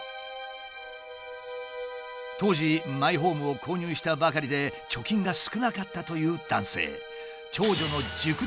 当時マイホームを購入したばかりで貯金が少なかったという男性。